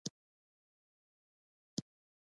د خوشال اکا پټی شپې ډنډ شوی له پولو یې اوبه اوختي.